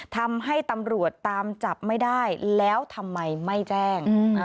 ทำให้ตำรวจตามจับไม่ได้แล้วทำไมไม่แจ้ง